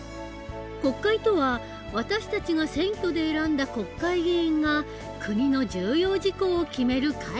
国会とは私たちが選挙で選んだ国会議員が国の重要事項を決める会議の事。